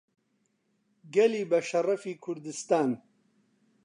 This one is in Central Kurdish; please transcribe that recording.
گەلی بەشەڕەفی کوردستان